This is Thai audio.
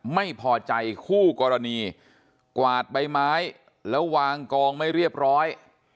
ไม่พอใจคู่กรณีกวาดใบไม้แล้ววางกองไม่เรียบร้อย